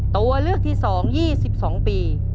ตัวเลือกที่สาม๒๔ปี